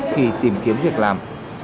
khi tìm kiếm việc làm